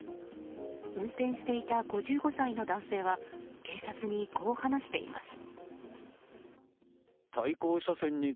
運転していた５５歳の男性は警察に、こう話しています。